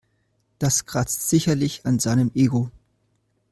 Das kratzt sicherlich an seinem Ego.